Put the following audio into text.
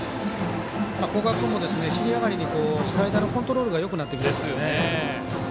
古賀君も尻上がりにスライダーのコントロールがよくなってきてますね。